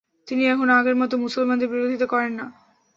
তিনি এখন আগের মত মুসলমানদের বিরোধিতা করেন না।